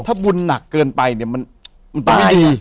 ถ้าบุญหนักเกินไปเนี่ยมันตาย